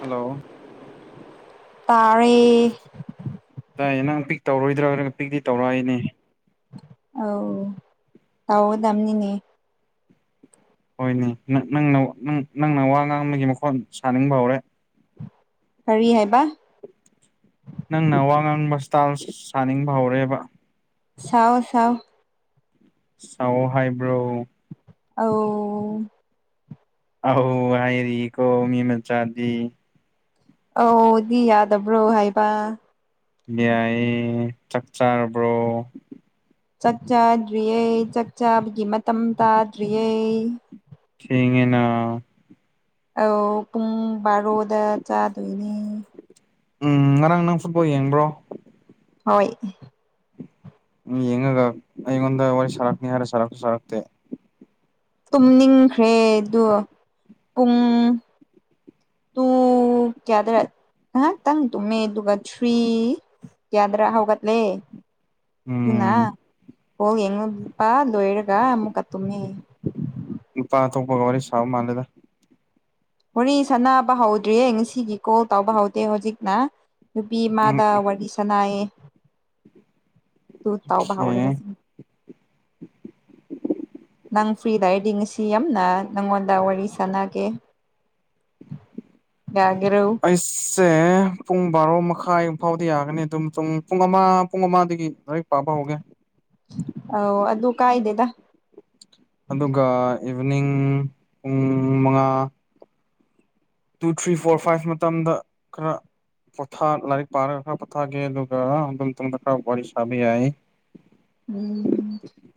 hello ꯇꯔꯦ ꯇꯥꯏꯌꯦ ꯅꯪ ꯄꯤꯛ ꯇꯧꯔꯣꯏꯗ꯭ꯔꯥꯒ ꯄꯤꯛꯇꯤ ꯇꯧꯔꯛꯏꯅꯦ ꯑꯧ ꯇꯧꯒꯗꯝꯅꯤꯅꯦ ꯍꯣꯏꯅꯦ ꯅꯪꯅ ꯅꯪꯅ ꯋꯥ ꯉꯥꯡꯕꯒꯤ ꯃꯈꯣꯟ ꯁꯥꯅꯤꯡꯕ ꯍꯧꯔꯦ ꯀꯔꯤ ꯍꯥꯏꯕ ꯅꯪꯅ ꯋꯥ ꯉꯥꯡꯕꯁꯄꯤꯇꯥꯜ ꯁꯥꯅꯤꯡꯕ ꯍꯧꯔꯦꯕ ꯁꯥꯎ ꯁꯥꯎ ꯁꯥꯎ ꯍꯥꯏꯕ꯭ꯔꯣ ꯑꯧ ꯑꯧ ꯍꯥꯏꯔꯤꯀꯣ ꯃꯤ ꯃꯆꯥꯗꯤ ꯑꯧꯗꯤ ꯌꯥꯗꯕ꯭ꯔꯣ ꯍꯥꯏꯕ ꯌꯥꯏꯌꯦ ꯆꯥꯛ ꯆꯥꯔꯕ꯭ꯔꯣ ꯆꯥꯛ ꯆꯥꯗ꯭ꯔꯤꯌꯦ ꯆꯥꯛ ꯆꯥꯕꯒꯤ ꯃꯇꯝ ꯇꯥꯗ꯭ꯔꯤꯌꯦ ꯁꯤꯉ‌ꯦꯅꯥ ꯑꯧ ꯄꯨꯡ ꯕꯥꯔꯣꯗ ꯆꯥꯗꯣꯏꯅꯤ ꯎꯝ ꯉꯔꯥꯡ ꯅꯪ ꯐꯨꯠꯕꯣꯜ ꯌꯦꯡꯕ꯭ꯔꯣ ꯍꯣꯏ ꯎ ꯌꯦꯡꯉꯒ ꯑꯩꯉꯣꯟꯗ ꯋꯥꯔꯤ ꯁꯥꯔꯛꯅꯤ ꯍꯥꯏꯔꯦ ꯁꯥꯔꯛꯁꯨ ꯁꯥꯔꯛꯇꯦ ꯇꯨꯝꯅꯤꯡꯈ꯭ꯔꯦ ꯑꯗꯨ ꯄꯨꯡ ꯇꯨ ꯀꯌꯥꯗꯔ ꯉꯍꯥꯛꯇꯪ ꯇꯨꯝꯃꯦ ꯑꯗꯨꯒ ꯊ꯭ꯔꯤ ꯌꯥꯗ꯭ꯔꯥ ꯍꯧꯒꯠꯂꯦ ꯎꯅꯥ ꯎꯝ ꯕꯣꯜ ꯌꯦꯡꯄꯥ ꯂꯣꯏꯔꯒ ꯑꯃꯨ ꯀ ꯇꯃꯤ ꯅꯨꯄꯥ ꯑꯇꯣꯞꯄꯒ ꯋꯥꯔꯤ ꯁꯥꯕ ꯃꯥꯜꯂꯦꯗ ꯋꯥꯔꯤ ꯁꯥꯟꯅꯕ ꯍꯧꯗ꯭ꯔꯤꯌꯦ ꯉꯁꯤꯒꯤ ꯀꯣꯜ ꯇꯧꯕ ꯍꯧꯗꯦ ꯍꯧꯖꯤꯛꯅ ꯎꯝ ꯅꯨꯄꯤꯃꯗ ꯋꯥꯔꯤ ꯁꯅꯥꯏꯌꯦ ꯑꯗꯨ ꯇꯥꯎꯕ ꯍꯧꯎꯔꯦ ꯑꯣꯀꯦ ꯍꯧꯖꯤꯛ ꯅꯪ ꯐ꯭ꯔꯤ ꯂꯩꯔꯗꯤ ꯉꯁꯤ ꯌꯥꯝꯅ ꯅꯪꯉꯣꯟꯗ ꯋꯥꯔꯤ ꯁꯥꯟꯅꯒꯦ ꯌꯥꯒꯦꯔꯎ ꯑꯩꯁꯦ ꯄꯨꯡ ꯕꯥꯔꯣ ꯃꯈꯥꯏꯨꯛ ꯐꯥꯎꯗꯤ ꯌꯥꯒꯅꯤ ꯑꯗꯨꯝ ꯄꯨꯡ ꯄꯨꯡ ꯑꯃ ꯄꯨꯡ ꯑꯃꯗꯒꯤ ꯂ ꯄꯥꯕ ꯍꯧꯒꯦ ꯑ ꯑꯗꯨ ꯀꯥꯏꯗꯦꯗ ꯑꯗꯨꯒ ꯏꯚꯅꯤꯡ ꯄꯨꯡ ꯃꯉꯥ ꯇꯨ ꯊ꯭ꯔꯤ ꯐꯣꯔ ꯐꯥꯏꯚ ꯃꯇꯝꯗ ꯈꯔ ꯄꯣꯊ ꯂꯥꯏꯔꯤꯛ ꯄꯥꯔꯒ ꯈꯔ ꯄꯣꯊꯥꯒꯦ ꯑꯗꯨꯒ ꯑꯗꯨꯝ ꯇꯨꯡꯗ ꯈꯔ ꯋꯥꯔꯤ ꯁꯥꯕ ꯌꯥꯏ [inaudible] ꯎꯝ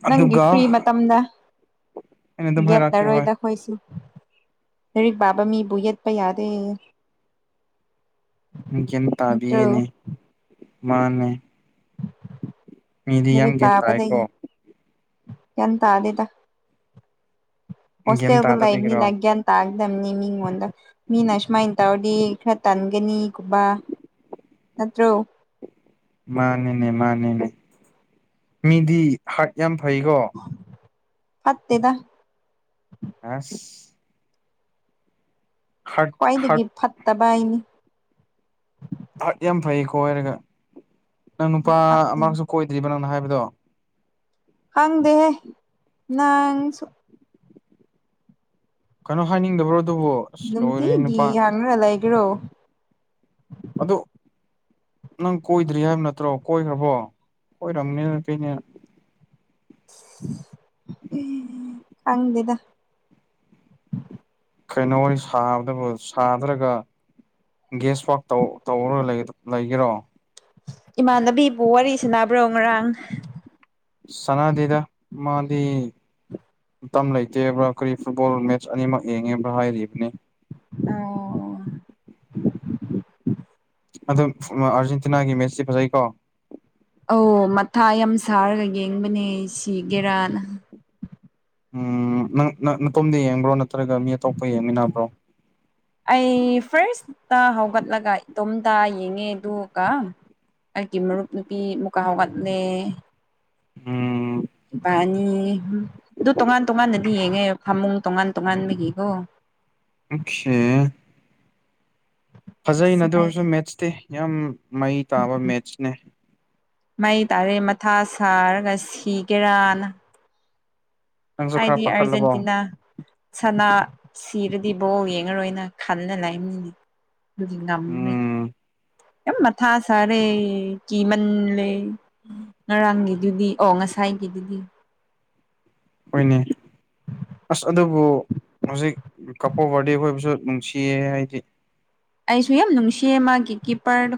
ꯅꯪꯒꯤ ꯑꯗꯨꯒ ꯐ꯭ꯔꯤ ꯃꯇꯝꯗ ꯑꯩꯅ ꯑꯗꯨꯝ ꯍꯥꯏꯔꯛꯀꯦ ꯍꯣꯏ ꯌꯦꯠꯂꯔꯣꯏꯗ ꯍꯣꯏꯁꯤ ꯂꯔꯤꯛ ꯄꯥꯕ ꯃꯤꯕꯨ ꯌꯦꯠꯄ ꯌꯥꯗꯦ ꯒꯤꯌꯥꯜ ꯅꯠꯇ꯭ꯔꯣ ꯇꯥꯕꯤꯌꯦꯅꯦ ꯃꯥꯅꯦ ꯃꯤꯗꯤ ꯂꯥꯏꯔꯤꯛ ꯌꯥꯝ ꯒ꯭ꯌꯥꯟ ꯄꯥꯕꯗꯒꯤ ꯇꯥꯏꯀꯣ ꯒꯤꯌꯥꯜ ꯇꯥꯗꯦꯗ ꯒ꯭ꯌꯥꯟ ꯍꯣꯁꯇꯦꯜꯗ ꯇꯥꯗꯕꯒꯤꯔꯣ ꯂꯩꯕꯅꯤꯅ ꯒꯌꯥꯟ ꯇꯥꯛꯗꯝꯕꯅꯤ ꯃꯤꯉꯣꯟꯗ ꯃꯤꯅ ꯑꯁꯨꯃꯥꯏꯅ ꯇꯧꯔꯗꯤ ꯈꯔ ꯇꯟꯒꯅꯤꯒꯨꯝꯕ ꯅꯠꯇ꯭ꯔꯣ ꯃꯥꯅꯤꯅꯦ ꯃꯥꯅꯤꯅꯦ ꯃꯤꯗꯤ ꯍꯥꯔꯠ ꯌꯥꯝ ꯐꯩꯀꯣ ꯐꯠꯇꯦꯗ ꯍꯥ ꯍꯥꯔꯠ ꯍꯥꯔꯠ ꯈ꯭ꯋꯥꯏꯗꯒꯤ ꯐꯠꯇꯕ ꯑꯩꯅꯤ ꯑꯠ ꯌꯥꯝ ꯐꯩꯀꯣ ꯀꯣꯏꯔꯒ ꯅꯪ ꯅꯨꯄꯥ ꯐꯠꯇꯦ ꯑꯃꯛꯁꯨ ꯀꯣꯏꯗ꯭ꯔꯤꯕ ꯅꯪꯅ ꯍꯥꯏꯕꯗꯣ ꯈꯪꯗꯦꯍꯦ ꯅꯪꯁꯨ ꯀꯩꯅꯣ ꯍꯥꯏꯅꯤꯡꯗꯕ꯭ꯔꯣ ꯑꯗꯨꯕꯨ ꯑꯁ ꯂꯣꯏꯔꯦ ꯅꯨꯡꯇꯤꯒꯤ ꯅꯨꯄꯥ ꯍꯪꯉ ꯂꯩꯒꯦꯔꯣ ꯑꯗꯣ ꯅꯪ ꯀꯣꯏꯗ꯭ꯔꯤ ꯍꯥꯏꯕ ꯅꯠꯇ꯭ꯔꯣ ꯀꯣꯏꯈ꯭ꯔꯕꯣ ꯀꯣꯏꯔꯝꯅꯤꯅ ꯅꯨꯄꯤꯅꯤꯅ ꯍꯪꯗꯗ ꯀꯩꯅꯣ ꯁꯥꯕꯗꯕꯨ ꯁꯥꯗ꯭ꯔꯒ ꯒꯦꯁ ꯋꯥꯛ ꯇꯧꯔ ꯂꯩꯒꯦꯔꯣ ꯏꯃꯥꯟꯅꯕꯤꯕꯨ ꯋꯥꯔꯤ ꯁꯟꯅꯕ꯭ꯔꯣ ꯉꯔꯥꯡ ꯁꯅꯥꯗꯦꯗ ꯃꯥꯗꯤ ꯃꯇꯝ ꯂꯩꯇꯦꯕ꯭ꯔꯥ ꯀꯔꯤ ꯐꯨꯠꯕꯣꯜ ꯃꯦꯠꯆ ꯑꯅꯤꯃꯛ ꯌꯦꯡꯉꯦꯕ꯭ꯔꯥ ꯍꯥꯏꯔꯤꯕꯅꯤ ꯑ ꯑꯗꯨꯝ ꯑꯥꯔꯖꯦꯟꯇꯤꯅꯥꯒꯤ ꯃꯦꯠꯁꯁꯤ ꯐꯖꯩꯀꯣ ꯑꯧ ꯃꯊꯥ ꯌꯥꯝ ꯁꯥꯔꯒ ꯌꯦꯡꯕꯅꯦ ꯁꯤ ꯒꯦꯔꯥꯅ ꯎꯝ ꯅꯪ ꯅꯇꯣꯝꯗ ꯌꯦꯡꯕ꯭ꯔꯣ ꯅꯠꯇ꯭ꯔꯒ ꯃꯤ ꯑꯇꯣꯞꯄ ꯌꯦꯡꯃꯤꯟꯅꯕ꯭ꯔꯣ ꯑꯩ ꯐꯥꯔꯁꯇ ꯍꯧꯒꯠꯂꯒ ꯏꯇꯣꯝꯇ ꯌꯦꯡꯉꯦ ꯑꯗꯨꯒꯒ ꯑꯩꯒꯤ ꯃꯔꯨꯞ ꯅꯨꯄꯤ ꯃꯨꯛꯀꯥ ꯋꯥꯠꯅꯦ ꯎꯝ ꯏꯄꯥ ꯑꯅꯤ ꯑꯗꯨ ꯇꯣꯉꯥꯟ ꯇꯣꯉꯥꯟꯅꯗꯤ ꯌꯦꯡꯉꯦ ꯐꯃꯨꯡ ꯇꯣꯉꯥꯟ ꯇꯣꯉꯥꯟꯕꯒꯤꯀꯣ [unintelligible] ꯁꯦ ꯐꯖꯩꯅꯗ ꯑꯗꯨ ꯑꯣꯏꯔꯁꯨ ꯁꯃꯥꯏꯗ ꯃꯦꯠꯁꯇꯤ ꯌꯥꯝ ꯃꯩ ꯇꯥꯕ ꯃꯦꯠꯁꯅꯦ ꯃꯩ ꯇꯥꯔꯦ ꯃꯊꯥ ꯁꯥꯔꯒ ꯁꯤꯒꯦꯔꯥꯅ ꯅꯪꯁꯨ ꯈꯔ ꯑꯩꯗꯤ ꯄꯥꯈꯠꯂꯕꯣ ꯑꯔꯖꯦꯟꯇꯤꯅꯥ ꯁꯅꯥ ꯁꯤꯔꯗꯤ ꯕꯣꯜ ꯌꯦꯡꯉꯔꯣꯏꯅ ꯈꯟꯜ ꯂꯩꯝꯃꯤꯅꯤ ꯗꯤ ꯉꯝ꯭ꯔꯦ ꯎꯝ ꯌꯥꯝ ꯃꯊꯥ ꯁꯥꯔꯦ ꯀꯤꯃꯜꯂꯦ ꯉꯔꯥꯡꯒꯤꯗꯨꯗꯤ ꯑꯣ ꯉꯁꯥꯏꯒꯤꯗꯨꯗꯤ ꯍꯣꯏꯅꯦ ꯑꯁ ꯑꯗꯨꯕꯨ ꯍꯧꯖꯤꯛ ꯀꯄꯣ ꯕꯥꯔꯗꯦ ꯈꯣꯏꯕꯨꯁꯨ ꯅꯨꯡꯁꯤꯌꯦ ꯍꯥꯏꯗꯤ ꯑꯩꯁꯨ ꯌꯥꯝ ꯅꯨꯡꯁꯤꯌꯦ ꯃꯥꯒꯤ ꯀꯤꯞꯄꯔꯗꯣ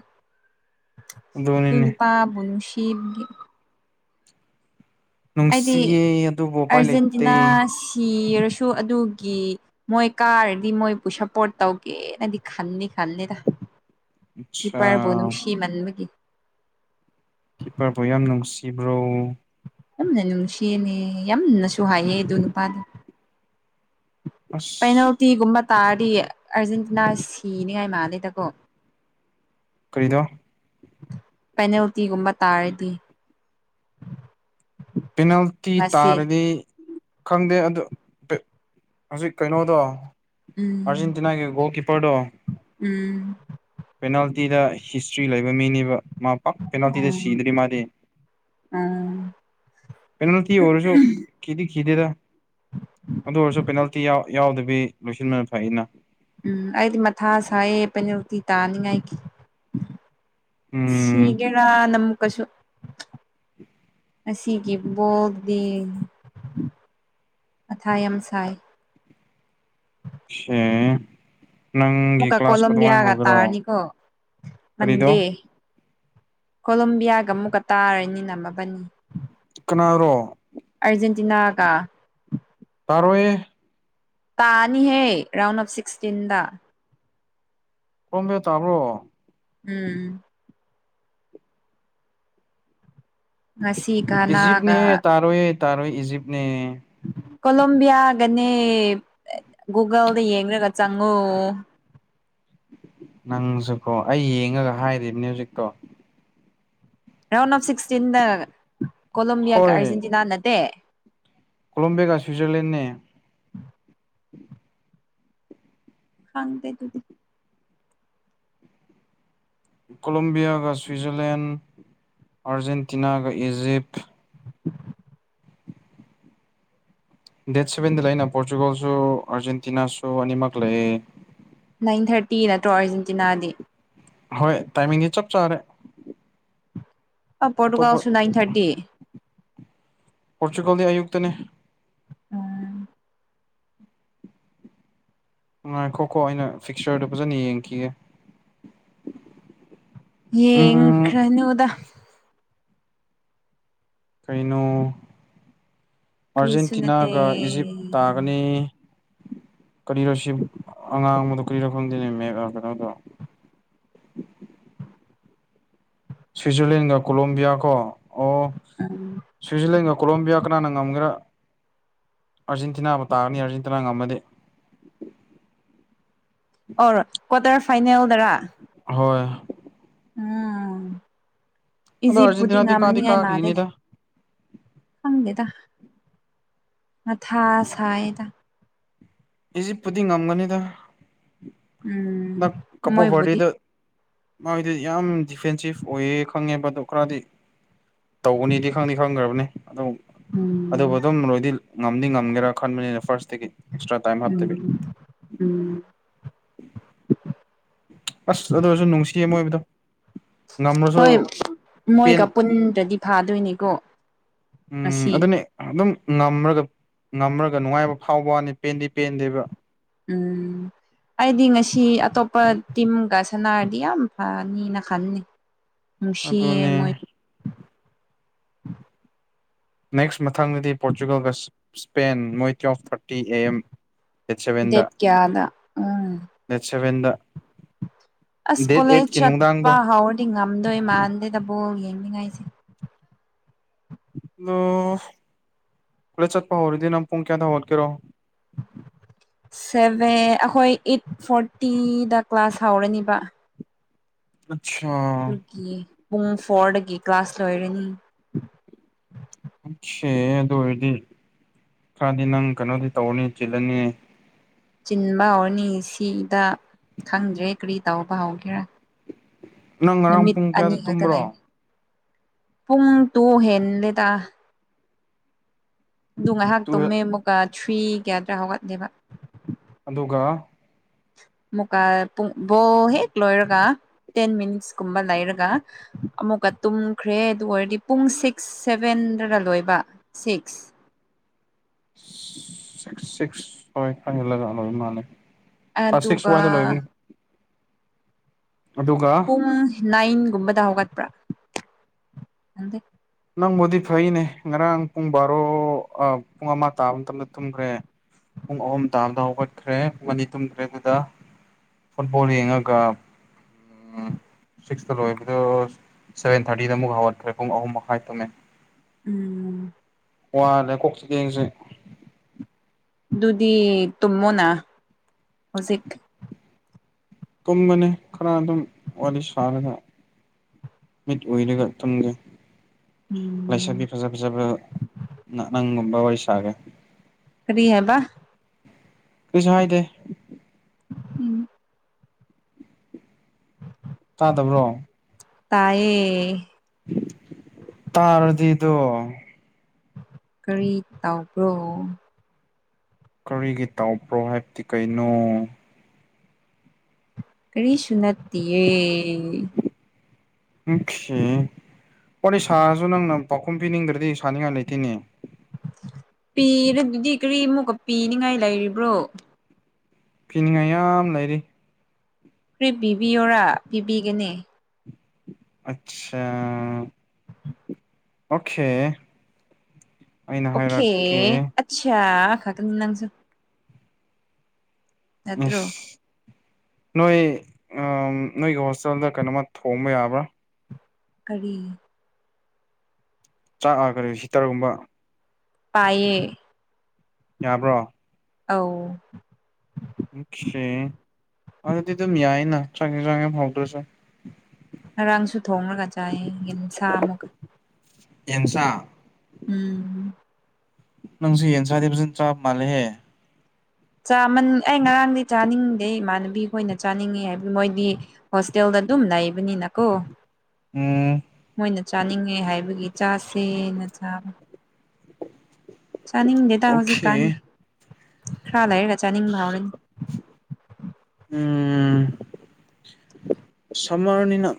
ꯑꯗꯨꯅꯤꯅꯦ ꯇꯨꯅꯨꯄꯥꯕꯨꯅꯨꯡꯁꯤꯕ ꯍꯥꯏꯗꯤ ꯅꯨꯡꯁꯤꯌꯦ ꯑꯗꯨꯕꯨ ꯎꯄꯥꯏ ꯂꯩꯇꯦ ꯑꯔꯖꯦꯟꯇꯤꯅꯥ ꯁꯤꯔꯁꯨ ꯑꯗꯨꯒꯤ ꯃꯣꯏ ꯀꯥꯔꯗꯤ ꯃꯣꯏꯕꯨ ꯁꯄꯣꯔꯠ ꯇꯧꯒꯦꯅꯗꯤ ꯈꯅꯤ ꯈꯅꯤꯗ ꯑꯠꯁꯥ ꯀꯤꯞꯄꯔꯕꯣ ꯅꯨꯡꯁꯤꯃꯟꯕꯒꯤ ꯀꯤꯞꯄꯔꯕꯨ ꯌꯥꯝ ꯅꯨꯡꯁꯤꯕ꯭ꯔꯣ ꯌꯥꯝꯅ ꯅꯨꯡꯁꯤꯌꯦꯅꯦ ꯌꯥꯝꯅꯁꯨ ꯍꯥꯏꯑꯦ ꯑꯗꯨ ꯅꯨꯄꯥꯗꯣ ꯑꯁ ꯄꯦꯅꯥꯜꯇꯤꯒꯨꯝꯕ ꯇꯥꯔꯗꯤ ꯑꯔꯖꯦꯟꯇꯤꯅꯥ ꯁꯤꯅꯤꯉꯥꯏ ꯃꯥꯂꯦꯗꯀꯣ ꯀꯔꯤꯗꯣ ꯄꯦꯅꯥꯜꯇꯤꯒꯨꯝꯕ ꯇꯥꯔꯗꯤ ꯄꯤꯅꯥꯜꯇꯤ ꯉꯁꯤ ꯇꯥꯔꯗꯤ ꯈꯪꯗꯦ ꯑꯗꯨ ꯍꯧꯖꯤꯛ ꯀꯩꯅꯣꯗꯣ ꯎꯝ ꯑꯔꯖꯦꯟꯇꯤꯅꯥꯒꯤ ꯒꯣꯜ ꯀꯤꯄꯔꯗꯣ ꯎꯝ ꯄꯦꯅꯥꯜꯇꯤꯗ ꯍꯤꯁꯇ꯭ꯔꯤ ꯂꯩꯕ ꯃꯤꯅꯦꯕ ꯃꯥ ꯄꯥꯛ ꯄꯦꯅꯥꯜꯇꯤꯗ ꯎꯝ ꯁꯤꯗꯔꯤ ꯃꯥꯗꯤ ꯎꯝ ꯄꯦꯅꯥꯜꯇꯤ ꯑꯣꯏꯔꯁꯨ ꯀꯤꯗꯤ ꯀꯈꯤꯗꯦꯗ ꯑꯗꯨ ꯑꯣꯏꯔꯁꯨ ꯄꯦꯅꯥꯜꯇꯤ ꯌꯥꯎꯗꯕꯤ ꯂꯣꯏꯁꯤꯟꯕꯅ ꯐꯩ ꯅ ꯎꯝ ꯑꯩꯗꯤ ꯃꯊꯥ ꯁꯥꯏꯌꯦ ꯄꯦꯅꯜꯇꯤ ꯇ ꯇꯥꯅꯤꯡꯉꯥꯏꯒꯤ ꯑꯁ ꯎꯝ ꯁꯤꯒꯦꯔ ꯅꯝ ꯀꯁꯨ [inaudible] ꯑꯁꯤꯒꯤ ꯕꯣꯛꯗꯤ ꯃꯊꯥ ꯌꯥꯝ ꯁꯥꯏ ꯢꯁꯦ ꯑꯃꯨꯛꯀ ꯀꯣꯂꯕꯤꯌꯥꯒ ꯍꯧꯒꯦꯔꯣ ꯇꯥꯔꯅꯤꯀꯣ ꯀꯔꯤꯗꯣ ꯃꯟꯗꯦ ꯀꯣꯂꯣꯝꯕꯤꯌꯥꯒ ꯑꯃꯨꯛꯀ ꯇꯥꯔꯅꯤ ꯅꯝꯃꯕꯅꯤ ꯀꯅꯥꯔꯣ ꯑꯔꯖꯦꯟꯇꯤꯅꯥꯒ ꯇꯔꯣꯢꯋꯦ ꯇꯥꯅꯤꯍꯦ ꯔꯥꯎꯟ ꯑꯣꯐ ꯁꯤꯛꯁꯇꯤꯟꯗ ꯄꯣꯝꯕ ꯇꯥꯕ꯭ꯔꯣ ꯎꯝ ꯉꯁꯤꯒ ꯏꯖꯤꯞꯅꯦꯍꯦ ꯇꯥꯔꯣꯏꯌꯦ ꯇꯥꯔꯣꯏꯌꯦ ꯏꯖꯤꯞꯅꯦ ꯀꯣꯂꯣꯝꯕꯤꯌꯥꯒꯅꯦ ꯒꯨꯒꯜꯗ ꯌꯦꯡꯈ꯭ꯔꯒ ꯆꯪꯉꯣ ꯅꯪꯁꯨꯀꯣ ꯑꯩ ꯌꯦꯡꯉꯒ ꯍꯥꯏꯔꯤꯕꯅꯦ ꯍꯧꯖꯤꯛꯇꯣ ꯔꯥꯎꯟ ꯑꯣꯐ ꯁꯤꯛꯁꯇꯤꯟꯗ ꯀꯣꯂꯣꯝꯕꯤꯌꯥꯒ ꯍꯣꯏ ꯑꯥꯔꯖꯦꯟꯇꯤꯅꯥ ꯅꯠꯇꯦ ꯀꯣꯂꯝꯕꯤꯒ ꯁ꯭ꯤꯠꯖꯔꯂꯦꯟꯅꯦ ꯈꯪꯗꯦ ꯑꯗꯨꯗꯤ ꯀꯣꯂꯣꯝꯕꯤꯌꯥꯒ ꯁ꯭ꯋꯤꯖꯔꯂꯦꯟ ꯑꯥꯔꯖꯦꯟꯇꯤꯅꯥꯒ ꯏꯖꯤꯞ [unintelligible] ꯗꯦꯠ ꯁꯚꯦꯟꯗ ꯂꯩ ꯑꯩꯅ ꯄꯣꯔꯆꯨꯒꯜꯁꯨ ꯑꯥꯔꯖꯦꯟꯇꯤꯅꯥꯁꯨ ꯑꯅꯤꯃꯛ ꯂꯩꯌꯦ ꯅꯥꯏꯟ ꯊꯥꯔꯇꯤ ꯅꯠꯇ꯭ꯔꯣ ꯑꯥꯔꯖꯦꯟꯇꯤꯅꯥꯗꯤ ꯍꯣꯏ ꯇꯥꯏꯃꯤꯡꯗꯤ ꯆꯞ ꯆꯥꯔꯦ ꯑ ꯄꯣꯔꯇꯨꯒꯜꯁꯨ ꯅꯥꯏꯟ ꯊꯥꯔꯇꯤ ꯄꯣꯔꯆꯨꯒꯜꯗ ꯑꯌꯨꯛꯇꯅꯦ ꯎꯝ ꯉꯥꯏꯈꯣꯀꯣ ꯑꯩꯅ ꯐꯤꯛꯆꯔꯗꯣ ꯐꯖꯅ ꯌꯦꯡꯈꯤꯒꯦ ꯌꯦꯡ ꯎꯝ ꯈ꯭ꯔꯅꯨ ꯗ ꯀꯩꯅꯣ ꯀꯔꯤꯁꯨ ꯅꯠꯇꯦ ꯑꯥꯔꯖꯦꯟꯇꯤꯅꯥꯒ ꯏꯖꯤꯞ ꯇꯥꯒꯅꯤ ꯀꯔꯤꯔꯣꯁꯤ ꯑꯉꯥꯡꯕꯗꯣ ꯀꯔꯤꯔꯣꯐꯝꯗꯅꯦ ꯀꯩꯅꯣꯗꯣ ꯁ꯭ꯋꯤꯖꯔꯂꯦꯟꯒ ꯀꯣꯂꯣꯕꯤꯌꯥ ꯀꯣ ꯑꯣ ꯎꯝ ꯁ꯭ꯋꯤꯖꯔꯂꯦꯟꯒ ꯀꯣꯂꯣꯝꯕꯤꯌꯥ ꯀꯅꯥꯅ ꯉꯝꯒꯔꯥ ꯑꯥꯖꯦꯟꯇꯤꯅꯥ ꯑꯃ ꯇꯥꯒꯅꯤ ꯑꯔꯖꯦꯟꯇꯤꯅꯥ ꯉꯝꯃꯗꯤ ꯑꯣꯔ ꯀ꯭ꯋꯥꯇꯔ ꯐꯥꯏꯅꯦꯜꯗꯔꯥ ꯍꯣꯏ ꯎꯝ ꯑꯗꯣ ꯏꯆꯦꯄꯨꯗꯤ ꯑꯥꯔꯖꯦꯟꯇꯤꯅꯥꯗꯤ ꯀꯥꯗꯤ ꯉꯝꯅꯤꯉꯥꯏ ꯃꯥꯜꯂꯦꯗ ꯀꯥꯈꯤꯒꯅꯤꯗ ꯈꯪꯗꯦꯗ ꯃꯊꯥ ꯁꯥꯏꯗ ꯏꯁꯤꯦꯄꯗꯤ ꯉꯝꯒꯅꯤꯗ ꯅ ꯎꯝ ꯀꯄꯣ ꯃꯣꯏꯕꯨꯗꯤ ꯐꯗꯤꯗ ꯃꯥꯣꯏꯗꯤ ꯌꯥꯝ ꯗꯤꯐꯦꯟꯁꯤꯞ ꯑꯣꯏꯌꯦ ꯈꯪꯉꯦꯕ ꯑꯗꯣ ꯈꯔꯗꯤ ꯇꯧꯕꯅꯤꯗꯤ ꯈꯪꯅꯤ ꯈꯪꯈ꯭ꯔꯕꯅꯤ ꯑꯗꯨꯝ ꯎꯝ ꯑꯗꯨꯕꯨ ꯑꯗꯨꯝ ꯂꯣꯏꯗꯤ ꯉꯝꯗꯤ ꯉꯝꯒꯦꯔꯥ ꯈꯟꯕꯅꯤꯅ ꯐꯥꯔꯁ ꯎꯝ ꯎꯝ ꯑꯁ ꯑꯗꯨ ꯑꯣꯏꯁꯨ ꯅꯨꯡꯁꯤ ꯑꯃ ꯑꯣꯏꯕꯗꯣ ꯍꯣꯏ ꯃꯣꯏꯒ ꯄꯨꯟꯗ꯭ꯔꯗꯤ ꯐꯥꯗꯣꯏꯅꯤꯀꯣ ꯎꯝ ꯉꯁꯤ ꯑꯗꯨꯅꯦ ꯑꯗꯨꯝ ꯉꯝꯃꯒ ꯉꯝꯃꯒ ꯅꯨꯡꯉꯥꯏꯕ ꯐꯥꯎꯕ ꯋꯥꯅꯤ ꯄꯦꯟꯗꯤ ꯄꯦꯟꯗꯦꯕ ꯎꯝ ꯑꯩꯗꯤ ꯉꯁꯤ ꯑꯇꯣꯞꯄ ꯇꯤꯝꯒ ꯁꯥꯟꯅꯔꯗꯤ ꯌꯥꯝ ꯐꯅꯤꯅ ꯈꯟꯅꯤ ꯅꯨꯡꯁꯤ ꯑꯗꯨꯅꯤ ꯃꯣꯏ ꯅꯦꯛꯁ ꯃꯊꯥꯡꯗꯗꯤ ꯄꯣꯔꯇꯨꯒꯜꯒ ꯁ꯭ꯄꯦꯟ ꯃꯣꯏ ꯇ꯭ ꯑꯣꯐ ꯤ ꯑꯦꯝꯋꯗ ꯗꯦꯠ ꯀꯌꯥꯗ ꯎꯝ [inaudible] ꯑꯁ ꯀꯣꯂꯦꯖ ꯆꯠꯄ ꯍꯧꯥꯎꯔꯗꯤ ꯉꯝꯗꯣꯏ ꯃꯥꯟꯗꯦꯗ ꯕꯣꯜ ꯌꯦꯡꯅꯤꯡꯉꯥꯏꯁꯦ ꯑꯣ ꯀꯣꯂꯦꯖ ꯆꯠꯄ ꯍꯧꯔꯗꯤ ꯅꯪ ꯄꯨꯡ ꯀꯌꯥꯗ ꯍꯧꯒꯠꯀꯦꯔꯣ ꯁꯚꯦꯟ ꯑꯩꯈꯣꯏ ꯑꯩꯠ ꯐꯣꯔꯇꯤꯗ ꯀ꯭ꯂꯥꯁ ꯍꯧꯥꯎꯔꯅꯤꯕ ꯑꯆꯥꯥ ꯄꯨꯡ ꯐꯣꯔꯗꯒꯤ ꯀ꯭ꯂꯥꯁ ꯂꯣꯏꯔꯅꯤ ꯑꯣꯁꯦ ꯑꯗꯨ ꯑꯣꯏꯔꯗꯤ ꯈꯔꯗꯤ ꯅꯪ ꯀꯩꯅꯣꯗꯤ ꯇꯧꯔꯅꯤ ꯆꯤꯜꯂꯅꯤ ꯆꯤꯟꯕ ꯍꯧꯔꯅꯤ ꯁꯤꯗ ꯈꯪꯗ꯭ꯔꯦ ꯀꯔꯤ ꯇꯧꯕ ꯍꯧꯒꯦꯔꯥ ꯅꯪ ꯉꯔꯥꯡ ꯅꯨꯃꯤꯠ ꯄꯨꯡ ꯑꯅꯤ ꯀꯌꯥꯗ ꯈꯛꯇ ꯂꯩ ꯇꯨꯝꯕ꯭ꯔꯣ ꯄꯨꯡ ꯇꯣ ꯍꯦꯟꯂꯦꯗ ꯑꯗꯨ ꯉꯥꯏꯍꯥꯛ ꯇꯣꯝꯃꯦ ꯇꯨꯌꯦꯜꯞ ꯑꯃꯨꯛꯀ ꯊ꯭ꯔꯤ ꯀꯌꯥꯗ꯭ꯔꯥ ꯍꯧꯒꯠꯂꯦꯕ ꯑꯗꯨꯒ ꯃꯨꯀꯥ ꯄꯨꯡ ꯕꯣ ꯍꯦꯛ ꯂꯣꯏꯔꯒ ꯇꯦꯟ ꯃꯤꯅꯤꯠꯁꯀꯨꯝꯕ ꯂꯩꯔꯒ ꯑꯃꯨꯛꯀ ꯇꯨꯝꯈ꯭ꯔꯦ ꯑꯗꯨ ꯑꯣꯏꯔꯗꯤ ꯄꯨꯡ ꯁꯤꯛꯁ ꯁꯦꯚꯦꯟꯗꯔ ꯂꯣꯏꯕ ꯁꯤꯛꯁ ꯁꯤ ꯁꯤꯁ [inaudible] ꯄ ꯁꯤꯛꯁ ꯑꯗꯨꯒ ꯋꯥꯏꯗ ꯂꯣꯏꯕꯅꯤ ꯑꯗꯨꯒ ꯄꯨꯡ ꯅꯥꯏꯟꯒꯨꯝꯕꯗ ꯍꯧꯒꯠꯄ꯭ꯔꯥ ꯅꯪꯕꯨꯗꯤ ꯐꯩꯅꯦ ꯉꯔꯥꯡ ꯄꯨꯡ ꯕꯥꯔꯣ ꯄꯨꯡ ꯑꯃ ꯇꯥꯕ ꯃꯇꯝꯗ ꯇꯨꯝꯈ꯭ꯔꯦ ꯄꯨꯡ ꯑꯍꯨꯝ ꯇꯥꯕꯗ ꯍꯧꯒꯠꯈ꯭ꯔꯦ ꯄꯨꯡ ꯑꯅꯤ ꯇꯨꯝꯗ꯭ꯔꯦ ꯑꯗꯨꯗ ꯐꯨꯠꯕꯣꯜ ꯌꯦꯡꯉꯒ ꯎꯝ ꯁꯤꯛꯁꯇ ꯂꯣꯏꯕꯗꯣ ꯁꯚꯦꯟ ꯊꯥꯔꯇꯤꯗ ꯑꯃꯨꯛ ꯍꯧꯒꯠꯈ꯭ꯔꯦ ꯄꯨꯡ ꯑꯍꯨꯝ ꯃꯈꯥꯏ ꯇꯝꯃꯦ ꯎꯝ ꯋꯥꯔꯦ꯫ꯀꯣꯛꯁꯤ ꯀꯦꯡꯁꯤ ꯑꯗꯨꯗꯤ ꯇꯨꯝꯃꯣꯅ ꯍꯧꯖꯤꯛ ꯇꯨꯝꯕꯅꯤ ꯈꯔ ꯑꯗꯨꯝ ꯋꯥꯔꯤ ꯁꯥꯔꯒ ꯃꯤꯠ ꯎꯏꯔꯒ ꯇꯨꯝꯒꯦ ꯎꯝ ꯂꯥꯩꯁꯥꯕꯤ ꯐꯖꯥ ꯐꯤꯖꯥ ꯅꯪꯒꯨꯝꯕ ꯋꯥꯔꯤ ꯁꯥꯒꯦ ꯀꯔꯤ ꯍꯥꯏꯕ ꯀꯩꯁꯨ ꯍꯥꯏꯗꯦ ꯎꯝ ꯇꯥꯗꯕ꯭ꯔꯣ ꯇꯌꯦ ꯇꯥꯔꯗꯤꯗꯣ ꯀꯔꯤ ꯇꯕ꯭ꯔꯣ ꯀꯔꯤꯒꯤ ꯇꯥꯎꯕ꯭ꯔꯣ ꯍꯥꯏꯕꯗꯤ ꯀꯩꯅꯣ ꯀꯔꯤꯁꯨ ꯅꯠꯇꯦꯌꯦ ꯑꯣꯀꯦ ꯋꯥꯔꯤꯅꯦ ꯁꯥꯔꯁꯨ ꯅꯪꯅ ꯄꯥꯎꯈꯨꯝ ꯄꯤꯅꯤꯡꯗ꯭ꯔꯗꯤ ꯁꯥꯅꯤꯡꯉꯥꯏ ꯂꯩꯇꯦꯅꯦ ꯄꯤꯔ ꯑꯗꯨꯗꯤ ꯀꯔꯤꯃꯨꯛꯀ ꯄꯤꯅꯤꯡꯉꯥꯏ ꯂꯩꯔꯤꯕ꯭ꯔꯣ ꯄꯤꯅꯤꯡꯉꯥꯏ ꯌꯥꯝ ꯂꯩꯔꯤ ꯀ꯭ꯔꯤꯞ ꯄꯤꯕꯤꯌꯣꯔꯥ ꯄꯤꯕꯤꯒꯅꯤ ꯑ ꯑꯣꯀꯦ ꯑꯩꯅ ꯑꯣꯀꯦ ꯍꯥꯏꯔꯛꯀꯦ ꯑꯆꯥ ꯀꯁꯨ ꯅꯠꯇ꯭ꯔꯣ ꯑꯁ ꯅꯣꯏ ꯅꯣꯏꯒꯤ ꯍꯣꯁꯇꯦꯜꯗ ꯀꯩꯅꯣꯃ ꯊꯣꯡꯕ ꯌꯥꯕ꯭ꯔꯥ ꯀꯔꯤ ꯆꯥꯛꯒꯗꯤ ꯍꯤꯇꯔꯒꯨꯝꯕ ꯄꯌꯦ ꯌꯥꯕ꯭ꯔꯣ ꯑꯧ ꯑꯣꯀꯦ ꯑꯗꯨꯗꯤ ꯑꯗꯨꯝ ꯌꯥꯏꯅ ꯆꯥꯡꯌꯦ ꯆꯥꯡꯉ ꯍꯧꯗ꯭ꯔꯁꯦ ꯉꯔꯥꯡꯁꯨ ꯊꯣꯡꯉꯒ ꯆꯥꯏ ꯌꯦ ꯁꯥ ꯑꯃꯨꯛꯀ ꯑꯦꯦꯝꯁꯥ ꯎꯝ ꯅꯪꯁꯨ ꯌꯦꯟꯁꯥꯗꯕꯁꯤꯅ ꯆꯞ ꯃꯥꯜꯦꯍꯦ ꯆꯥꯃꯟ ꯑꯩ ꯉꯔꯥꯡꯗꯤ ꯆꯥꯅꯤꯡꯗꯦ ꯏꯃꯥꯟꯅꯕꯤꯈꯣꯏꯅ ꯆꯥꯅꯤꯡꯏꯤ ꯍꯥꯏꯕꯗꯤ ꯃꯣꯏꯗꯤ ꯍꯣꯁꯇꯦꯜꯗ ꯗꯨ ꯂꯩꯕꯅꯤ ꯅ ꯀꯣ ꯎꯝ ꯃꯣꯏꯅ ꯆꯥꯅꯤꯡꯉꯦ ꯍꯥꯏꯕꯒꯤ ꯆꯥꯁꯦꯅ ꯆꯥꯕ ꯆꯥꯅꯤꯡꯗꯦꯗ ꯍꯧꯖꯤꯛꯀꯥꯟ ꯑꯣꯀꯦ ꯈꯔ ꯂꯩꯔ ꯆꯥꯅꯤꯡꯕ ꯍꯧꯥꯎꯔꯅꯤ ꯎꯝ ꯁꯝꯃꯔꯅꯤꯅ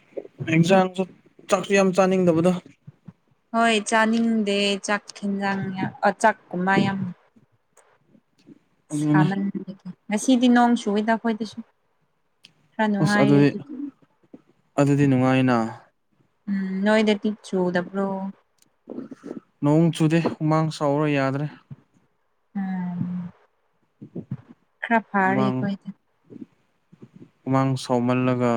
ꯑꯦꯛꯖꯥꯥꯡꯁꯨ ꯆꯥꯛꯁꯨ ꯌꯥꯝ ꯆꯥꯅꯤꯡꯗꯕꯗꯣ ꯍꯣꯏ ꯆꯥꯅꯤꯡꯗꯦ ꯆꯥꯛ ꯌꯦꯟ ꯖꯥꯡ ꯑ ꯆꯥꯛꯀꯨꯝꯕ ꯌꯥꯝ ꯑꯗꯨꯅꯦ ꯁꯥꯃꯟꯒꯦ ꯉꯁꯤꯗꯤ ꯅꯣꯡ ꯁꯨꯏꯗ ꯑꯩꯈꯣꯏꯗꯁꯨ ꯈꯔ ꯑꯁ ꯅꯨꯡꯉꯥꯏꯔꯦ ꯑꯗꯨꯗꯤ ꯑꯗꯨꯗꯤ ꯅꯨꯡꯉꯥꯏꯅ ꯎꯝ ꯅꯣꯏꯗꯗꯤꯤꯛ ꯆꯨꯗꯕ꯭ꯔꯣ ꯅꯣꯡ ꯆꯨꯗꯦ ꯍꯨꯃꯥꯡ ꯆꯥꯎꯔ ꯌꯥꯗ꯭ꯔꯦ ꯎꯝ ꯈꯔ ꯐꯥꯔ ꯌꯦꯣꯏꯦ ꯈꯨꯃꯥꯡ ꯁꯥꯎꯃꯜꯂꯒ